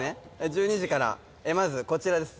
１２時からまずこちらです。